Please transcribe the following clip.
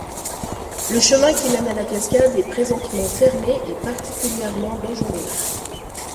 Le chemin qui mène à la cascade est présentement fermé et particulièrement dangereux.